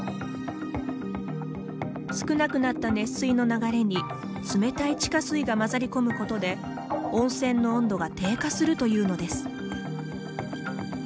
少なくなった熱水の流れに冷たい地下水が混ざり込むことで温泉の温度が低下するというのです。